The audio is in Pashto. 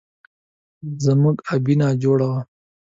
زموږ ابۍ ناجوړه